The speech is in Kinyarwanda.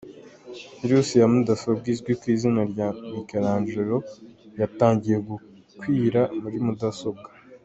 Virusi ya mudasobwa izwi ku izina rya Michelangelo yatangiye gukwira muri mudasobwa.